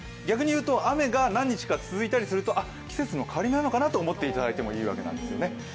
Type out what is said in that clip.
逆に言うと雨が何日か続いたりするとあっ季節の変わり目なのかなと思っていただいてもいいぐらいなんですね。